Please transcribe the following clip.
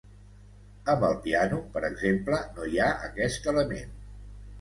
Amb el piano, per exemple, no hi ha aquest element.